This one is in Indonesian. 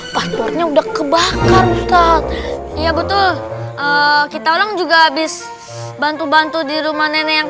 paspornya udah kebakar iya betul kita ulang juga habis bantu bantu di rumah nenek yang